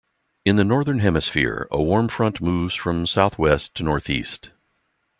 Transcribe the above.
In the Northern Hemisphere a warm front moves from southwest to northeast.